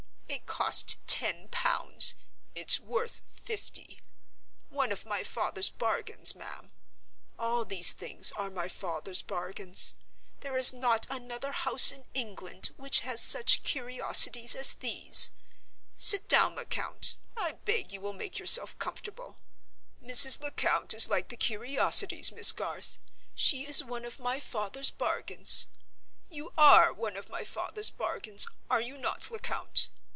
It cost ten pounds; it's worth fifty. One of my father's bargains, ma'am. All these things are my father's bargains. There is not another house in England which has such curiosities as these. Sit down, Lecount; I beg you will make yourself comfortable. Mrs. Lecount is like the curiosities, Miss Garth—she is one of my father's bargains. You are one of my father's bargains, are you not, Lecount?